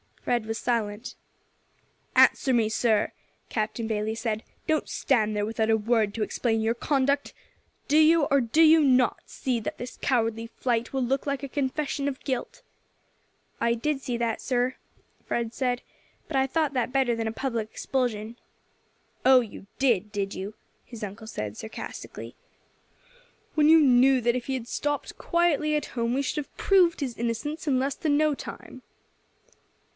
Fred was silent. "Answer me, sir," Captain Bayley said; "don't stand there without a word to explain your conduct. Do you or do you not see that this cowardly flight will look like a confession of guilt?" "I did see that, uncle," Fred said, "but I thought that better than a public expulsion." "Oh! you did, did you?" his uncle said sarcastically, "when you knew that if he had stopped quietly at home we should have proved his innocence in less than no time."